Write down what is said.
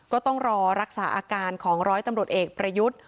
ก็ต้องรอรักษาอาการของร้อยตำรวจเอกประยุทธ์